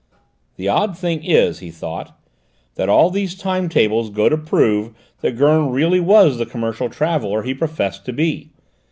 "The odd thing is," he thought, "that all these time tables go to prove that Gurn really was the commercial traveller he professed to be.